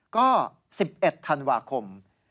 ก็๑๑ธันวาคม